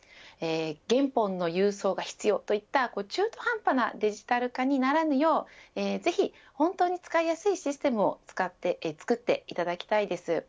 原本の郵送が必要といった中途半端なデジタル化にならないようぜひ本当に使いやすいシステムを作っていただきたいです。